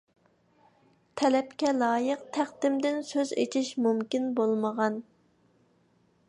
تەلەپكە لايىق تەقدىمدىن سۆز ئېچىش مۇمكىن بولمىغان.